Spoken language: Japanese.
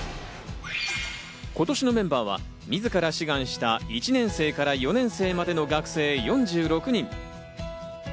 今年のメンバーは、自ら志願した１年生から４年生までの学生４６人。